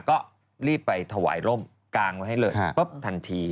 ก็รีบไปถวายร่มกางไว้ให้เลย